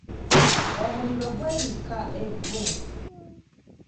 Omuliro gwebikka evvu.